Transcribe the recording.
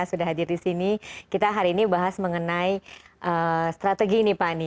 sudah hadir di sini kita hari ini bahas mengenai strategi ini pak ani